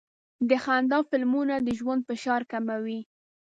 د خندا فلمونه د ژوند فشار کموي.